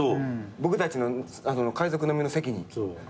僕たちの海賊飲みの席に。